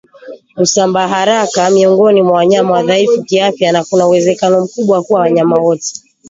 Husambaa haraka miongoni mwa wanyama wadhaifu kiafya na kuna uwezekano mkubwa kuwa wanyama wote